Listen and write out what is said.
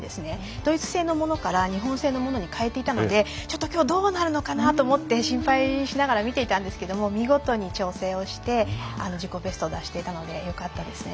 ドイツ製のものから日本製のものに変えていたのでちょっときょうどうなるのかなと思って心配しながら見ていたんですけれども見事に調整をして自己ベストを出していたのでよかったですね。